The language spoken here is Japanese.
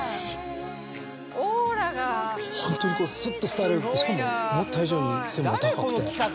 ホントにこうスッとスタイルよくてしかも思った以上に背もお高くて。